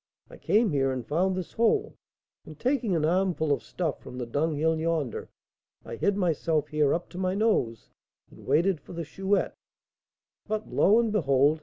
I came here and found this hole, and, taking an armful of stuff from the dunghill yonder, I hid myself here up to my nose, and waited for the Chouette. But, lo and behold!